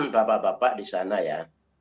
bapak bapak di sana ya